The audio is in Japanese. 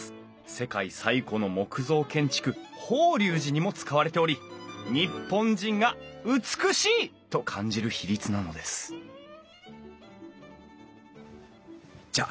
世界最古の木造建築法隆寺にも使われており日本人が美しいと感じる比率なのですじゃあ